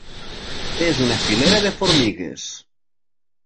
És una filera de formigues.